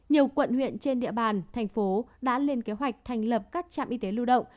nhiều quận huyện trên địa bàn thành phố đã lên kế hoạch thành lập các trạm y tế lưu động